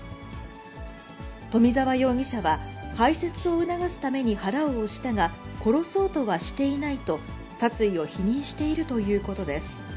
冨澤容疑者は、排せつを促すために腹を押したが、殺そうとはしていないと、殺意を否認しているということです。